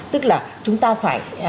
tức là chúng ta phải